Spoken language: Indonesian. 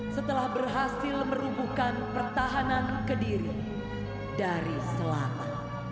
setelah berhasil merubuhkan pertahanan kediri dari selatan